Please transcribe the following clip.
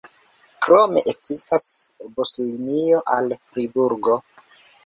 Krome ekzistas buslinio al Friburgo.